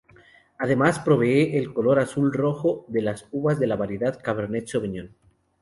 Además provee el color azul-rojo de las uvas de la variedad Cabernet Sauvignon.